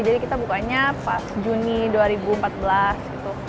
jadi kita bukanya pas juni dua ribu empat belas gitu